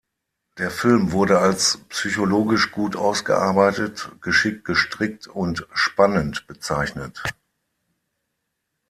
Der Film wurde als „psychologisch gut ausgearbeitet“, „geschickt gestrickt“ und „spannend“ bezeichnet.